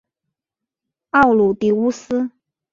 奥卢狄乌斯。